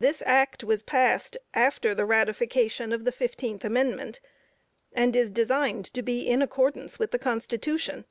This Act was passed after the ratification of the Fifteenth Amendment, and is designed to be in accordance with the Constitution.